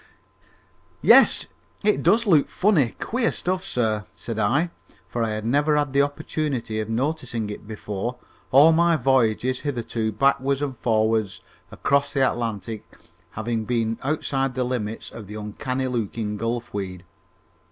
"Yes, it does look funny, queer stuff, sir," said I, for I had never had the opportunity of noticing it before, all my voyages hitherto backwards and forwards across the Atlantic having been outside the limits of the uncanny looking gulf weed.